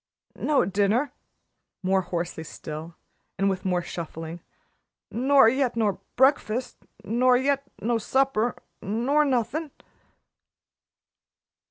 "No dinner," more hoarsely still and with more shuffling, "nor yet no bre'fast nor yet no supper nor nothin'."